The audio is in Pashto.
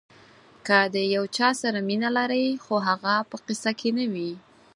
که د یو چا سره مینه لرئ خو هغه په قصه کې نه وي.